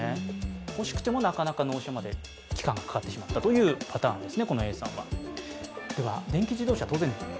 ほしくてもなかなか納車までに期間がかかってしまったという方なんですね。